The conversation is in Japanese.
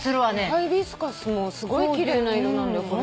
ハイビスカスもすごい奇麗な色なんだよこれ。